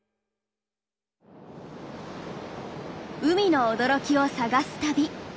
海の驚きを探す旅。